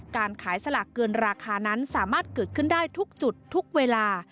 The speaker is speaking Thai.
การขายสลากเกินราคานั้นสามารถเกิดขึ้นได้ทุกจุดทุกเวลา